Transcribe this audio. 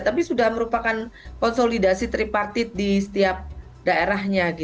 tapi sudah merupakan konsolidasi tripartit di setiap daerahnya